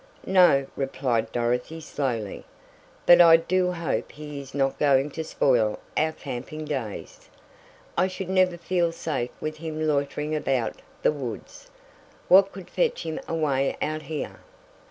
"No," replied Dorothy slowly, "but I do hope he is not going to spoil our camping days. I should never feel safe with him loitering about the woods. What could fetch him away out here?"